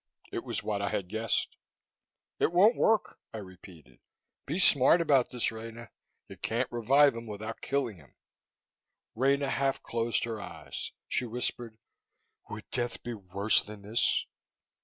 It was what I had guessed. "It won't work," I repeated. "Be smart about this, Rena. You can't revive him without killing him." Rena half closed her eyes. She whispered, "Would death be worse than this?"